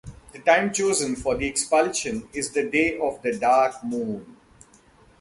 The time chosen for the expulsion is the day of the dark moon.